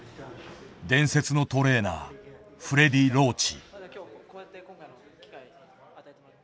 伝説のトレーナーフレディ・ローチ。